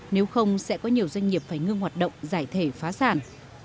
nếu không sẽ có nhiều doanh nghiệp phải ngưng hoạt động giải thể phá sản